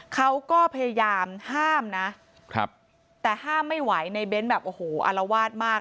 เขาก็พยายามห้ามนะครับแต่ห้ามไม่ไหวในเบ้นแบบโอ้โหอารวาสมาก